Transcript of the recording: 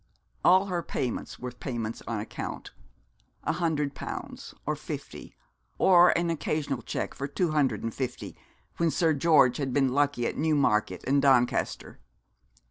All her payments were payments on account. A hundred pounds; or fifty or an occasional cheque for two hundred and fifty, when Sir George had been lucky at Newmarket and Doncaster.